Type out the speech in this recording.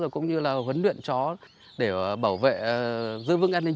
cũng như là huấn luyện chó để bảo vệ giữ vững an ninh